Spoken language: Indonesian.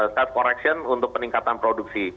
side correction untuk peningkatan produksi